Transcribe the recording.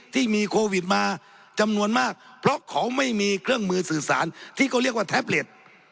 ที่มีโควิดมาจำนวนมากเพราะเขาไม่มีเครื่องมือสื่อสารที่เขาเรียกว่าแท็บเล็ต